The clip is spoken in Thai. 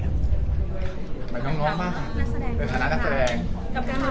มันต้องรอมากเป็นฐานะกันแสดง